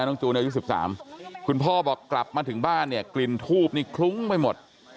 จูนอายุ๑๓คุณพ่อบอกกลับมาถึงบ้านเนี่ยกลิ่นทูบนี่คลุ้งไปหมด